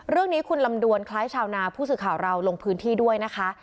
เรื่องนี้คุณลำดวนคล้ายชาวนาผู้สื่อข่าวเราลงพื้นที่ด้วยนะคะ